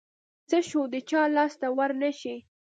څه شوه د چا لاس ته ورنشي.